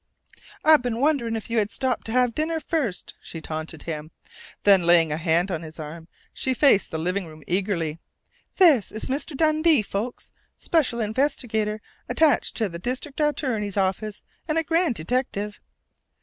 "I've been wondering if you had stopped to have dinner first," she taunted him. Then, laying a hand on his arm, she faced the living room eagerly. "This is Mr. Dundee, folks special investigator attached to the district attorney's office, and a grand detective.